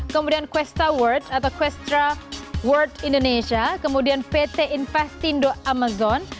kemudian questra world atau questra world indonesia kemudian pt investindo amazon